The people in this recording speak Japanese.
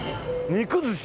肉寿司。